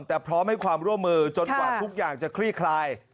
แต่พร้อมให้ความร่วมมือจนกว่าทุกอย่างจะคลี่คลาย